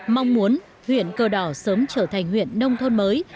mong muốn huyện cờ đỏ sớm trở thành huyện nông thôn mới